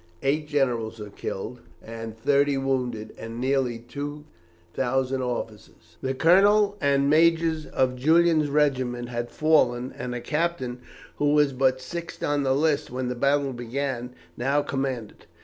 Eight generals were killed and thirty wounded, and nearly two thousand officers. The colonel and majors of Julian's regiment had fallen, and a captain, who was but sixth on the list when the battle began, now commanded.